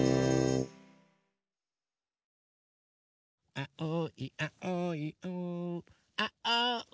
あおいあおいあおん？